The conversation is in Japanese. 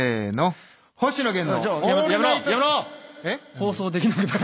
放送できなくなる。